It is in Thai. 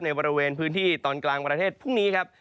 บริเวณพื้นที่ตอนกลางประเทศพรุ่งนี้ครับ